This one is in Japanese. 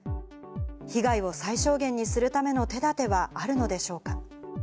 被害を最小限にするための手だてはあるのでしょうか。